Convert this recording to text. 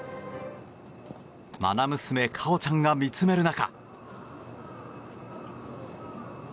まな娘・果緒ちゃんが見つめる中。